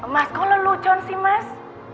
mas kau lelucon sih mas